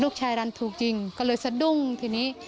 ลูกชายรันถูกยิงก็เลยสะดุ้งทีนี้